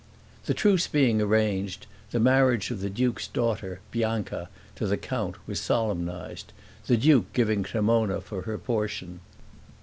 The truce being arranged, the marriage of the duke's daughter, Bianca, to the count was solemnized, the duke giving Cremona for her portion.